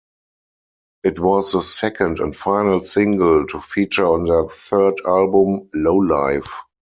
It was the second and final single to feature on their third album, "Low-Life".